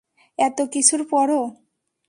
এত কিছুর পরও।